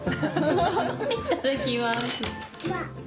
いただきます。